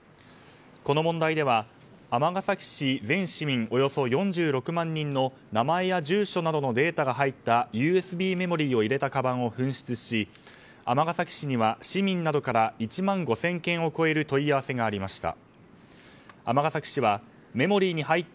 この問題では、尼崎市全市民およそ４６万人の名前や住所などのデータが入ったＵＳＢメモリーを入れたかばんを紛失し尼崎市には市民などから１万５０００件を超える問い合わせがありました。